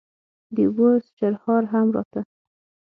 د اوبو شرهار هم راته.